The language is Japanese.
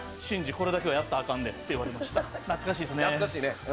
これだけはやったらあかんでって言われました、懐かしいですね。